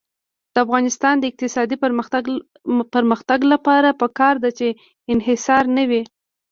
د افغانستان د اقتصادي پرمختګ لپاره پکار ده چې انحصار نه وي.